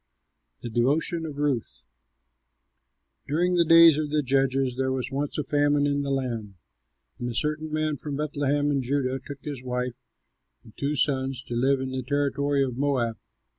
THE DEVOTION OF RUTH During the days of the judges, there was once a famine in the land; and a certain man from Bethlehem in Judah took his wife and two sons to live in the territory of Moab.